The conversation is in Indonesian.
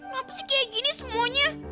ngapasih kayak gini semuanya